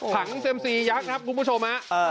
ผังเซียมซียักษ์นะครับคุณผู้ชม